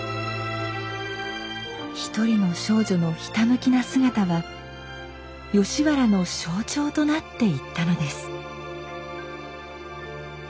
一人の少女のひたむきな姿は吉原の象徴となっていったのです。